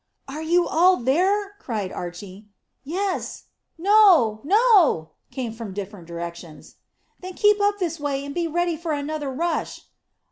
"Are you all there?" cried Archy. "Yes," "No," "No," came from different directions. "Then keep up this way, and be ready for another rush."